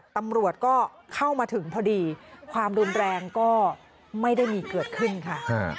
ตำรวจก็เข้ามาถึงพอดีความรุนแรงก็ไม่ได้มีเกิดขึ้นค่ะ